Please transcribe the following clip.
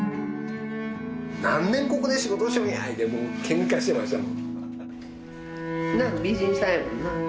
「何年ここで仕事しよんや」